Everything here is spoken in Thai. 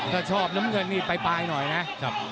ถ้าชอบน้ำเงินนี่ปลายหน่อยนะ